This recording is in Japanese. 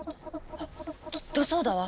あきっとそうだわ。